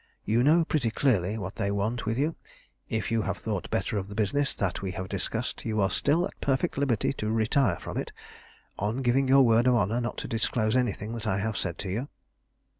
You know pretty clearly what they want with you. If you have thought better of the business that we have discussed you are still at perfect liberty to retire from it, on giving your word of honour not to disclose anything that I have said to you."